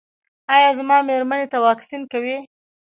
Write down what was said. ایا زما میرمنې ته واکسین کوئ؟